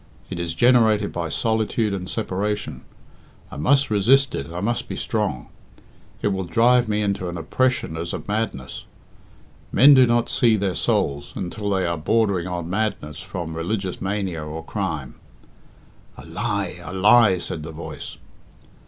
It is generated by solitude and separation. I must resist it I must be strong. It will drive me into an oppression as of madness. Men do not 'see their souls' until they are bordering on madness from religious mania or crime." "A lie! a lie!" said the voice.